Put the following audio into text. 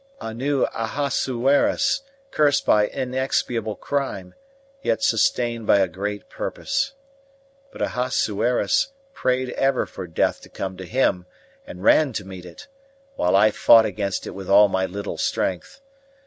A new Ahasuerus, cursed by inexpiable crime, yet sustained by a great purpose. But Ahasuerus prayed ever for death to come to him and ran to meet it, while I fought against it with all my little strength.